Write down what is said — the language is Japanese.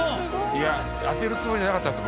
いや当てるつもりじゃなかったんです。